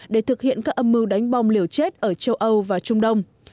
để thực hiện các âm mưu đánh bom liều chết ở châu âu và trung đông